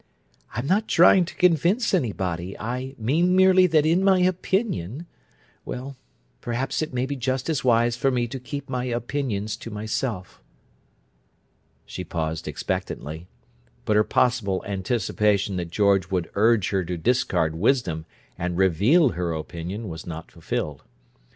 "I'm not trying to convince anybody. I mean merely that in my opinion—well, perhaps it may be just as wise for me to keep my opinions to myself." She paused expectantly, but her possible anticipation that George would urge her to discard wisdom and reveal her opinion was not fulfilled.